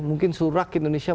mungkin seluruh rakyat indonesia